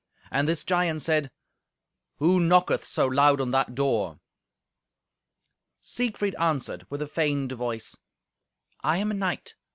And this giant said, "Who knocketh so loud on that door?" Siegfried answered with a feigned voice, "I am a knight.